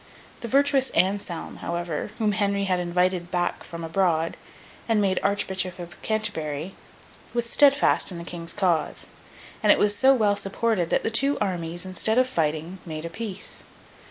The virtuous Anselm, however, whom Henry had invited back from abroad, and made Archbishop of Canterbury, was steadfast in the King's cause; and it was so well supported that the two armies, instead of fighting, made a peace.